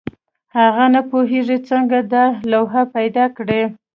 هغه نه پوهېږي څنګه دا لوحه پیدا کړي.